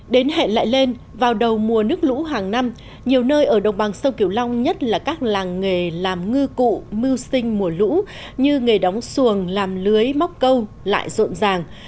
đến hẹn lại lên vào đầu mùa nước lũ hàng năm nhiều nơi ở đồng bằng sông kiểu long nhất là các làng nghề làm ngư cụ mưu sinh mùa lũ như nghề đóng xuồng làm lưới móc câu lại rộn ràng